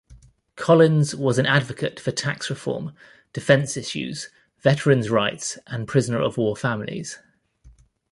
Collins was an advocate for tax reform, defense issues, veterans rights and prisoner-of-war families.